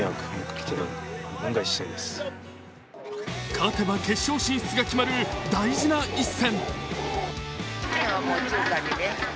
勝てば決勝進出が決まる大事な一戦。